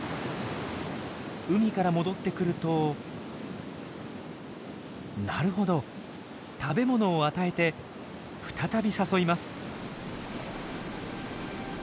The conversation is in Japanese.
海から戻ってくるとなるほど食べ物を与えて再び誘います。